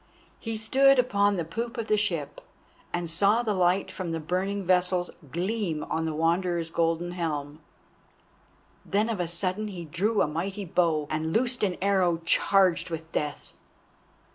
He stood upon the poop of the ship, and saw the light from the burning vessels gleam on the Wanderer's golden helm. Then of a sudden he drew a mighty bow and loosed an arrow charged with death.